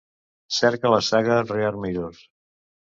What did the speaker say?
Cerca la saga Rear Mirror.